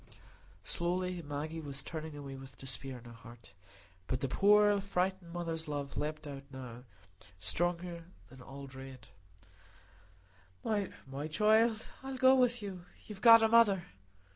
Slowly Maggie was turning away with despair in her heart. But the poor frightened mother's love leaped out now, stronger than all dread. "My child! I'll go with you. You've got a mother."